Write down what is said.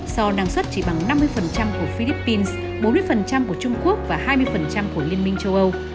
so năng suất chỉ bằng năm mươi của philippines bốn mươi của trung quốc và hai mươi của liên minh châu âu